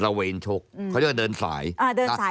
ประเวนชกเขาเรียกว่าเดินสาย